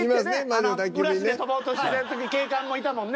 あのブラシで飛ぼうとしてる時警官もいたもんね？